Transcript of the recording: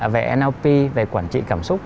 về nlp về quản trị cảm xúc